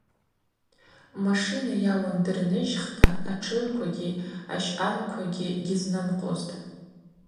Машина йа уандыр ныжьхта, атшыгӏвквагьи ащъагӏвквагьи гьызнымкъвузтӏ.